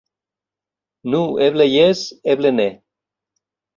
Nu, eble jes, eble ne.